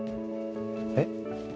えっ？